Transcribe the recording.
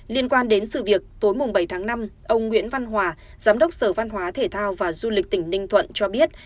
liên quan đến sự việc tối bảy tháng năm ông nguyễn văn hòa giám đốc sở văn hóa thể thao và du lịch tỉnh ninh thuận cho biết